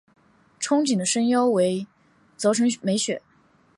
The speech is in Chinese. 憧憬的声优为泽城美雪。